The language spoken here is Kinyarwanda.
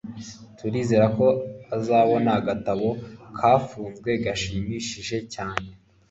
Turizera ko uzabona agatabo kafunzwe gashimishije cyane